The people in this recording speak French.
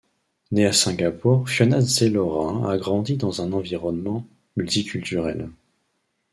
Née à Singapour, Fiona Sze-Lorrain a grandi dans un environnement multiculturel.